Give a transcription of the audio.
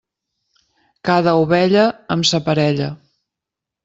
Cada ovella, amb sa parella.